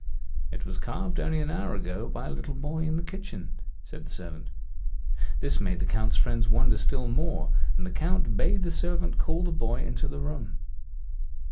"It was carved only an hour ago by a little boy in the kitchen," said the servant. This made the Count's friends wonder still more; and the Count bade the servant call the boy into the room.